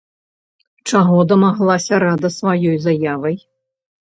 Чаго дамаглася рада сваёй заявай?